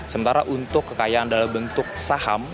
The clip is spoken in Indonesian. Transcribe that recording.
sementara untuk kekayaan dalam bentuk saham